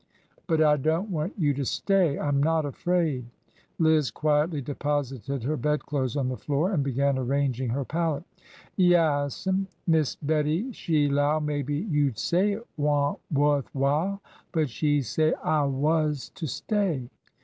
'' But I don't want you to stay ! I 'm not afraid 1 " Liz quietly deposited her bed clothes on the floor, and began arranging her pallet. '' Yaas'm. Miss Bettie she 'low maybe you 'd say it wa'n't wuth while, but she say I was to stay."